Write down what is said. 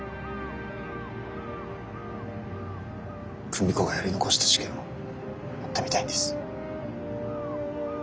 久美子がやり残した事件を追ってみたいんです。